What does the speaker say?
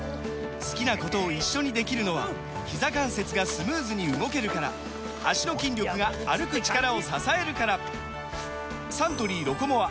好きなことを一緒にできるのはひざ関節がスムーズに動けるから脚の筋力が歩く力を支えるからサントリー「ロコモア」！